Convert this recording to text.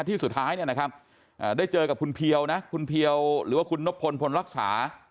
ที่สุดท้ายได้เจอกับคุณเพียวหรือว่าคุณนพลผลรักษา